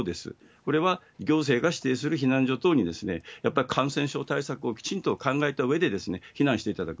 これは行政が指定する避難所等に、やっぱり感染症対策をきちんと考えたうえで、避難していただく。